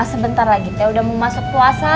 sebentar lagi teh udah mau masuk puasa